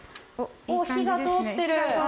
火が通ってる！